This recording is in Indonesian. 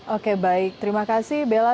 oke baik terima kasih bella